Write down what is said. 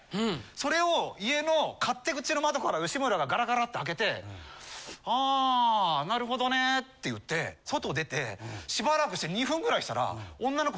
それを家の勝手口の窓から吉村がガラガラって開けて「はあなるほどね」って言って外出てしばらくして２分ぐらいしたら。